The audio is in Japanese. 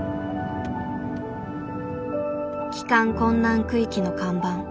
帰還困難区域の看板。